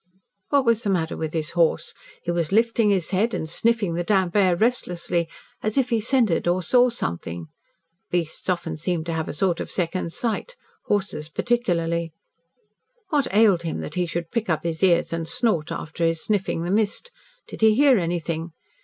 What was the matter with his horse? He was lifting his head and sniffing the damp air restlessly, as if he scented or saw something. Beasts often seemed to have a sort of second sight horses particularly. What ailed him that he should prick up his ears and snort after his sniffing the mist! Did he hear anything?